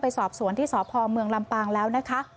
สอบสวนที่สพเมืองลำปางแล้วนะคะ